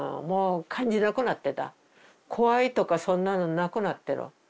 怖いとかそんなのなくなってる。